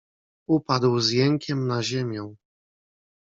"Upadł z jękiem na ziemię."